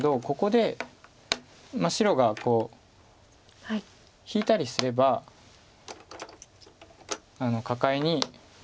ここで白がこう引いたりすればカカエに。